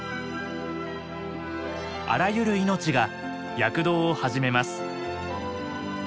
あらゆる命が躍動を始めます。